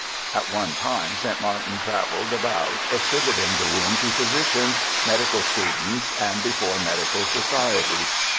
At one time St. Martin travelled about exhibiting the wound to physicians, medical students, and before medical societies.